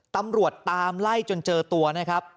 ตำรวจตามไล่จนเจอตัวนะครับ